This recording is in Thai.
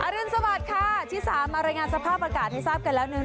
รุนสวัสดิ์ค่ะชิสามารายงานสภาพอากาศให้ทราบกันแล้วหนึ่ง